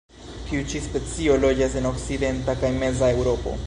Tiu ĉi specio loĝas en okcidenta kaj meza Eŭropo.